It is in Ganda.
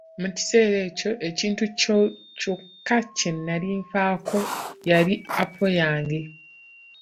Mu kiseera ekyo ekintu kyokka kye nali nfaako yali apo yange.